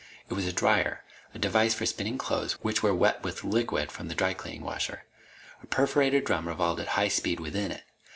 It was a dryer; a device for spinning clothes which were wet with liquid from the dry cleaning washer. A perforated drum revolved at high speed within it.